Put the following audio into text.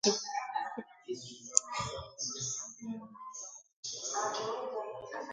Both classes serve to carry longer-distance flows between important centers of activity.